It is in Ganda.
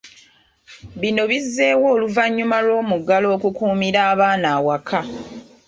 Bino bizzeewo oluvannyuma lw'omuggalo okukuumira abaana awaka.